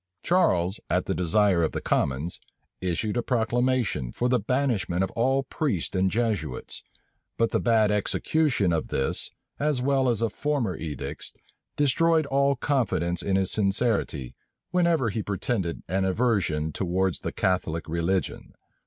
Charles, at the desire of the commons, issued a proclamation for the banishment of all priests and Jesuits; but the bad execution of this, as well as of former edicts, destroyed all confidence in his sincerity, whenever he pretended an aversion towards the Catholic religion.